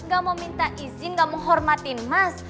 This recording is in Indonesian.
ga mau minta izin ga mau hormatin mas